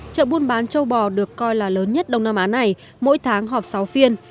chợ buôn bán châu bò được coi là lớn nhất đông nam á này mỗi tháng họp sáu phiên